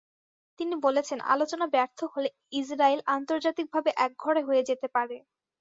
তিনি বলেছেন, আলোচনা ব্যর্থ হলে ইসরায়েল আন্তর্জাতিকভাবে একঘরে হয়ে যেতে পারে।